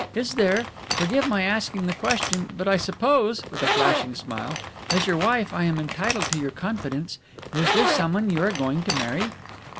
Is there forgive my asking the question, but I suppose," with a flashing smile, "as your wife I am entitled to your confidence is there somebody you are going to marry?"